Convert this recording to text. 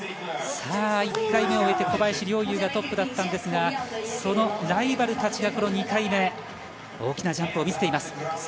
１回目を終えて小林陵侑がトップだったんですがそのライバルたちが２回目大きなジャンプを見せています。